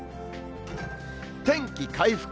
天気回復。